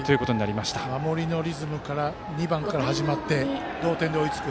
守りのリズムから２番から始まって同点に追いつく。